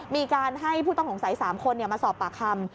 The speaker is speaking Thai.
มีการให้ผู้ต้องสงสัย๓คนมาสอบปากคำ